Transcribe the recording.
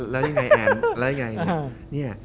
แล้วยังไงแอน